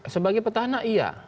sebagai petahana iya